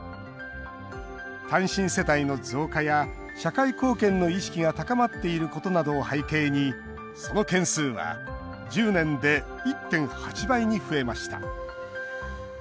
単身世帯の増加や社会貢献の意識が高まっていることなどを背景にその件数は１０年で１．８倍に増えました。